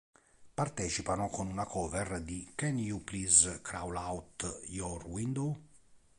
Partecipano con una cover di "Can You Please Crawl Out Your Window?